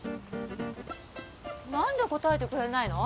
なんで答えてくれないの？